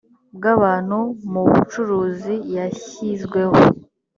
bw abantu mu bucuruzi yashyizweho